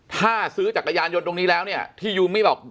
ถ้าซื้อจักรยานยนต์ตรงนี้แล้วเนี่ยที่ยูมมี่บอก